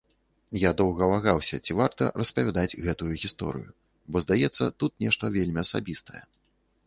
Я доўга вагаўся, ці варта распавядаць гэтую гісторыю, бо, здаецца, тут нешта вельмі асабістае.